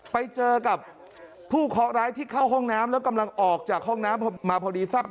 ไปเจอกับผู้เคาะร้ายที่เข้าห้องน้ำแล้วกำลังออกจากห้องน้ำพอมาพอดีทราบ